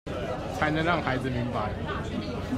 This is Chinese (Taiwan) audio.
才能讓孩子明白